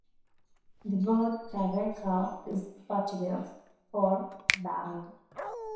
The word careca is Portuguese for 'bald'.